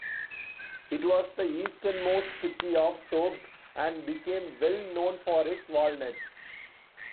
It was the easternmost city of Soghd, and became well known for its walnuts.